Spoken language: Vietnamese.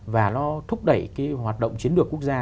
và nó thúc đẩy cái hoạt động chiến lược quốc gia